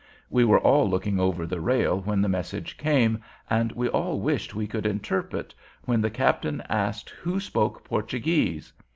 We were all looking over the rail when the message came, and we all wished we could interpret, when the captain asked who spoke Portuguese.